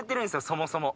そもそも。